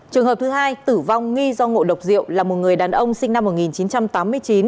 trường hợp thứ hai tử vong nghi do ngộ độc rượu là một người đàn ông sinh năm một nghìn chín trăm tám mươi chín